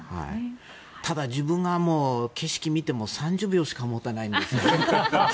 ただ、自分が景色を見ても３０秒しか持たないんです。